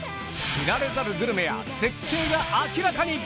知られざるグルメや絶景が明らかに。